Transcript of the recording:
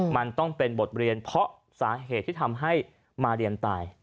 มันต้องเป็นบทเรียนเพราะสาเหตุที่ทำให้มาเรียนตาย